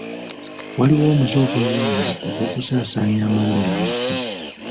Waliwo omuze ogweyongera ogw'okusaasaanya amawulire amafu.